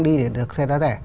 đi để được xe giá rẻ